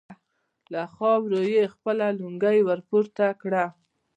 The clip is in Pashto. له خاورو يې خپله لونګۍ ور پورته کړه.